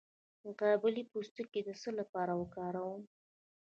د باقلي پوستکی د څه لپاره وکاروم؟